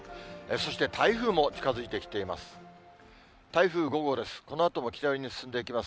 そして台風も近づいてきています。